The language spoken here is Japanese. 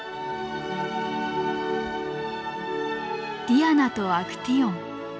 「ディアナとアクティオン」。